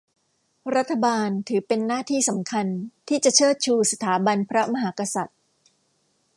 รัฐบาลถือเป็นหน้าที่สำคัญที่จะเชิดชูสถาบันพระมหากษัตริย์